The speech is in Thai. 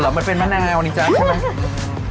อ๋อเหรอมันเป็นมะนาวนิจะใช่ไหม